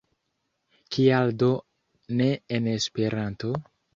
Kial do ne en Esperanto?